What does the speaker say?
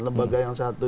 lembaga yang satu